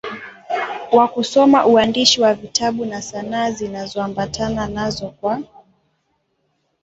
wa kusoma uandishi wa vitabu na sanaa zinazoambatana nazo kwa